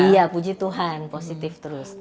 iya puji tuhan positif terus